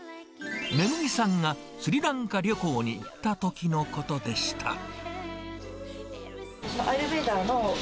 恵美さんが、スリランカ旅行に行ったときのことでした。